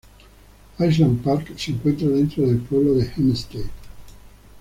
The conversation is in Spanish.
Island Park se encuentra dentro del pueblo de Hempstead.